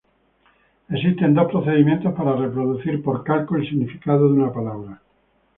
Existen dos procedimientos para reproducir por calco el significado de una palabra.